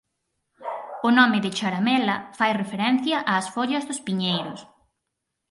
O nome de Charamela fai referencia ás follas dos piñeiros.